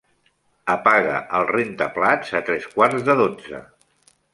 Apaga el rentaplats a tres quarts de dotze.